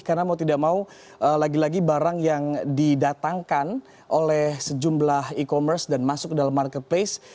karena mau tidak mau lagi lagi barang yang didatangkan oleh sejumlah e commerce dan masuk dalam marketplace